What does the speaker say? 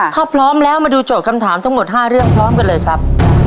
ถ้าพร้อมแล้วมาดูโจทย์คำถามทั้งหมด๕เรื่องพร้อมกันเลยครับ